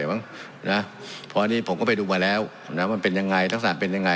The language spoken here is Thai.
เพราะอันนี้ผมก็ไปดูมาแล้วนะว่ามันเป็นยังไงทักษะเป็นยังไง